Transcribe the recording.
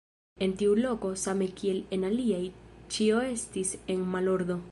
En tiu loko, same kiel en aliaj, ĉio estis en malordo.